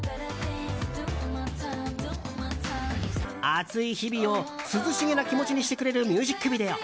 暑い日々を涼しげな気持ちにしてくれるミュージックビデオ。